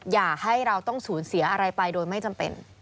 อย่าให้เราต้องสูญเสียอะไรไปโดยไม่จำเป็น